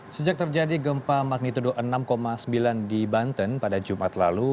sejak terjadi gempa magnitudo enam sembilan di banten pada jumat lalu